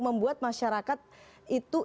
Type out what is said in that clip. membuat masyarakat itu